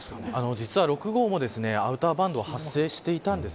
実は、６号もアウターバンド発生していたんです。